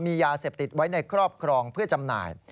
มียาเสพติดไว้ในครอบครองเพื่อจำหน่าย